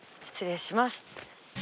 失礼します。